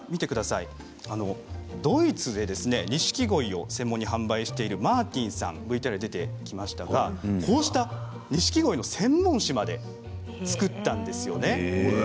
ドイツでニシキゴイを専門に販売しているマーティンさんＶＴＲに出てきましたがニシキゴイの専門誌まで作ったんですよね。